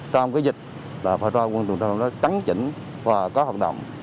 trong cái dịch rao quân tùng tra kiểm soát trắng chỉnh và có hoạt động